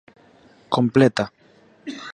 Completa.